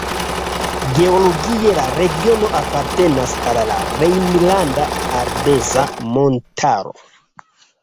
Geologie la regiono apartenas al la Rejnlanda Ardeza Montaro.